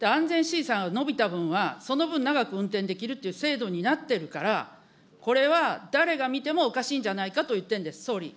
安全審査が延びた分は、その分長く運転できるという制度になってるから、これは誰が見てもおかしいんじゃないかと言ってるんです。